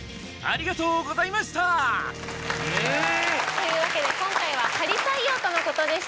というわけで今回は仮採用とのことでした。